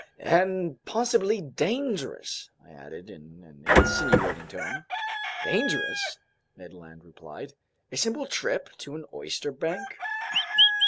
"And possibly dangerous!" I added in an insinuating tone. "Dangerous?" Ned Land replied. "A simple trip to an oysterbank?"